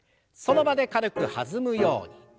その場で軽く弾むように。